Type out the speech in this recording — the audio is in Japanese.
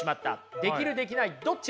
できるできないどっち？